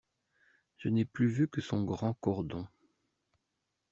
Je n'ai plus vu que son grand cordon.